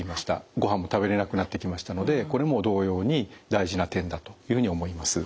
ごはんも食べれなくなってきましたのでこれも同様に大事な点だというふうに思います。